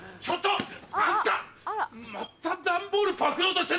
ちょっと！